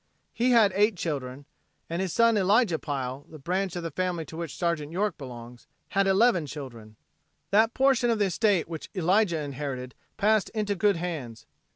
He had eight children, and his son Elijah Pile, the branch of the family to which Sergeant York belongs, had eleven children. That portion of the estate which Elijah inherited passed into good hands.